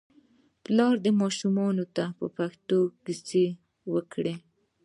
پلار دې ماشومانو ته په پښتو کیسې وکړي.